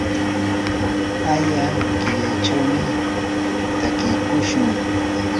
aya killachawmi takiykushun.